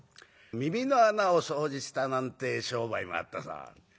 耳の穴を掃除したなんて商売もあったそうです。